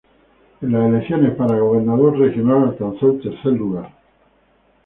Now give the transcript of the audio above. En las elecciones para gobernador regional alcanzo el tercer lugar.